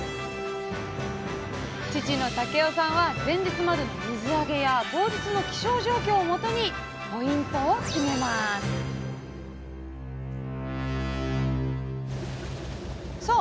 父の武男さんは前日までの水揚げや当日の気象状況をもとにポイントを決めますさあ